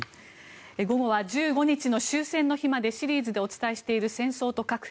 午後は、１５日の終戦の日までシリーズでお伝えしている戦争と核。